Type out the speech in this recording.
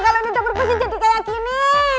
kalau ini dapur besi jadi kayak gini